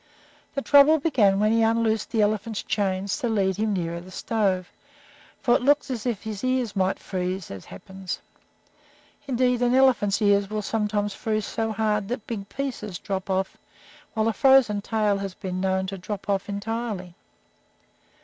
The trouble began when he unloosed the elephant's chains to lead him nearer the stove, for it looked as if his ears might freeze, as happens. Indeed, an elephant's ears will sometimes freeze so hard that big pieces drop off, while a frozen tail has been known to drop off entirely.